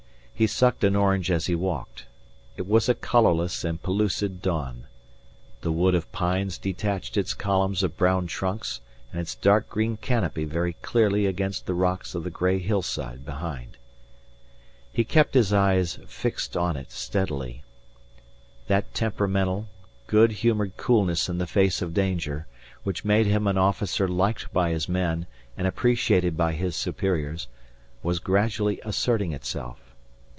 He sucked an orange as he walked. It was a colourless and pellucid dawn. The wood of pines detached its columns of brown trunks and its dark green canopy very clearly against the rocks of the gray hillside behind. He kept his eyes fixed on it steadily. That temperamental, good humoured coolness in the face of danger, which made him an officer liked by his men and appreciated by his superiors, was gradually asserting itself.